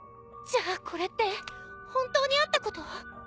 じゃあこれって本当にあったこと？